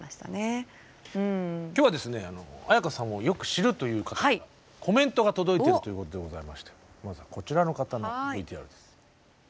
今日はですね絢香さんをよく知るという方からコメントが届いているということでございましてまずはこちらの方のＶＴＲです。